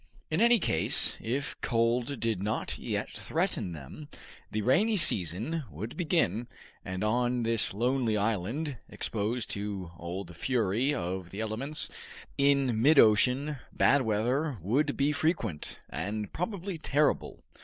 In any case if cold did not yet threaten them, the rainy season would begin, and on this lonely island, exposed to all the fury of the elements, in mid ocean, bad weather would be frequent, and probably terrible.